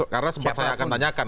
karena sempat saya akan tanyakan